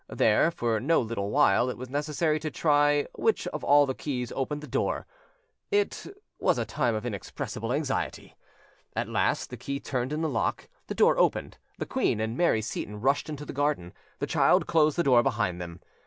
There, for no little while, it was necessary to try which of all the keys opened the door; it—was a time of inexpressible anxiety. At last the key turned in the lock, the door opened; the queen and Mary Seyton rushed into the garden. The child closed the door behind them.